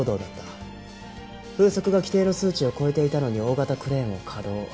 風速が規定の数値を超えていたのに大型クレーンを稼働。